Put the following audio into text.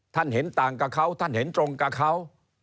เห็นต่างกับเขาท่านเห็นตรงกับเขา